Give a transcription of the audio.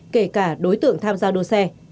kể cả đối tượng tham gia đua xe